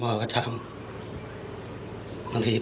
ฝ่ายกรเหตุ๗๖ฝ่ายมรณภาพกันแล้ว